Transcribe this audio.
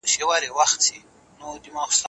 د اېرکنډیشن یخ باد د ګرمۍ شدت را کم کړی و.